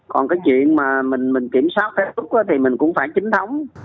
còn cái chuyện mà mình kiểm soát phép thuốc thì mình cũng phải chính thống